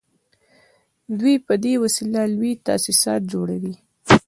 دوی په دې وسیله لوی تاسیسات جوړوي